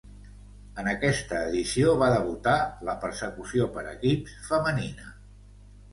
En aquesta edició va debutar la Persecució per equips femenina.